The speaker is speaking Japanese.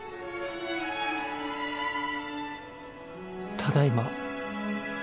ただいま。